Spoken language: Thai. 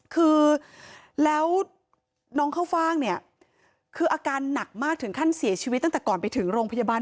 คือแล้วน้องเข้าฟ่างเนี่ยคืออาการหนักมากถึงขั้นเสียชีวิตตั้งแต่ก่อนไปถึงโรงพยาบาล